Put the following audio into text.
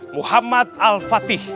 muhammad al fatih